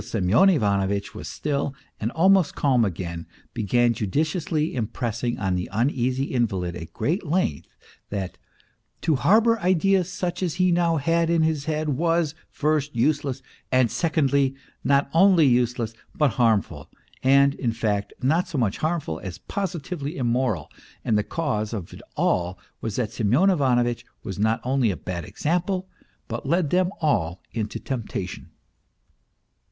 PROHARTCHIN 277 Semyon Ivanovitch was still and almost calm again began judiciously impressing on the uneasy invalid at great length that, " to harbour ideas such as he now had in his head was, first, useless, and secondly, not only useless, but harmful; and, in fact, not so much harmful as positively immoral ; and the cause of it all was that Semyon Ivanovitch was not only a bad example, but led them all into temptation."